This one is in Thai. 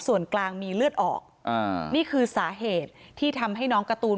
ส่วนกลางมีเลือดออกอ่านี่คือสาเหตุที่ทำให้น้องการ์ตูน